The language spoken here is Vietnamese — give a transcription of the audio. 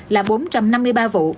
là bốn trăm năm mươi ba vụ